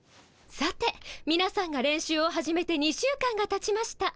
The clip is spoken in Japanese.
さてみなさんが練習を始めて２週間がたちました。